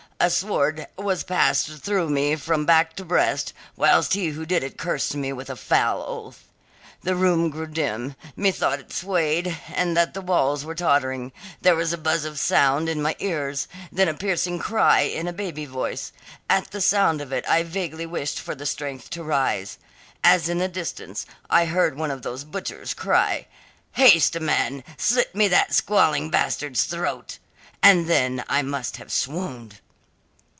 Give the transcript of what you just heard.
A sword was passed through me from back to breast, whilst he who did it cursed me with a foul oath. The room grew dim; methought it swayed and that the walls were tottering; there was a buzz of sound in my ears, then a piercing cry in a baby voice. At the sound of it I vaguely wished for the strength to rise. As in the distance, I heard one of those butchers cry, "Haste, man; slit me that squalling bastard's throat!" And then I must have swooned."